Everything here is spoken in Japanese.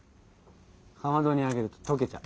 かまどにあげるととけちゃう。